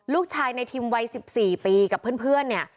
ลูกชายในทิมวัย๑๔ปีกับเพื่อนเนี่ย